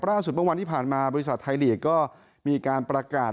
เมื่อวันที่ผ่านมาบริษัทไทยลีกก็มีการประกาศ